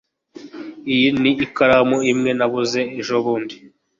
Iyi ni ikaramu imwe nabuze ejobundi